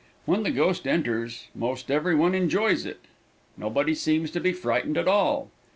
When the ghost enters most every one enjoys it. Nobody seems to be frightened at all.